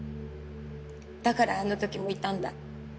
だからあのときもいたんだ。